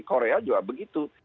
korea juga begitu